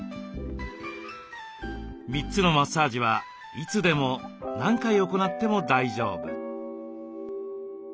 ３つのマッサージはいつでも何回行っても大丈夫。